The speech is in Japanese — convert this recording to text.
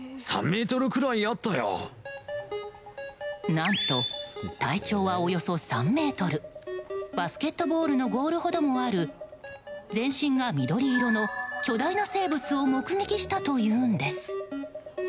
何と体長はおよそ３ｍバスケットボールのゴールほどもある全身が緑色の巨大な生物を目撃したというんです。